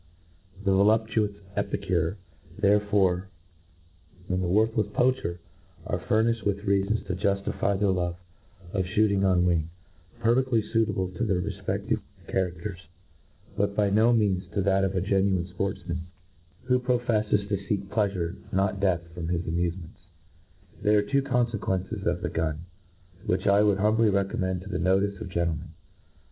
Th^ voluptuous epicure, there^ fore, and the worthlefs ■ poacher, are ^furniihed with reafons to juftify their IpV^e of fliooting on ^ing, perfedly fuitable to their refpcftive cha f afters — ^but by no means to that of a genuine fportfman. 44 INTRODUCTION. §)ortftnan, who profcflcs to feck picafurc, not death, from his amufements. There arc two confequenccs of the gun, which I would humbly recommend to the notice of gentlemen.